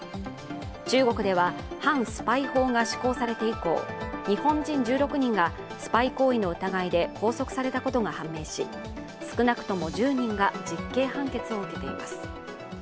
中国では反スパイ法が施行されて以降、日本人１６人がスパイ行為の疑いで拘束されたことが判明し少なくとも１０人が実刑判決を受けています。